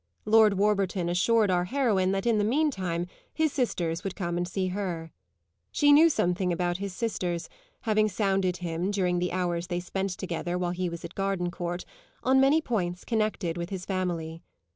Lord Warburton assured our heroine that in the mean time his sisters would come and see her. She knew something about his sisters, having sounded him, during the hours they spent together while he was at Gardencourt, on many points connected with his family.